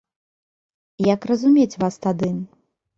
Як разумець вас тады?